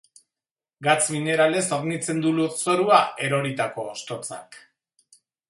Gatz mineralez hornitzen du lurzorua eroritako hostotzak.